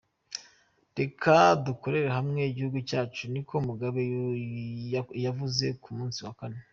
Reka dukorere hamwe igihugu cacu," niko Mugabe yavuze ku munsi wa kane.